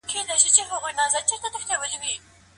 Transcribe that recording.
علمي مرحله تر ټولو دقيقه مرحله ده.